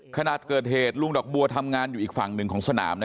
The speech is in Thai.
ขณะเกิดเหตุลุงดอกบัวทำงานอยู่อีกฝั่งหนึ่งของสนาม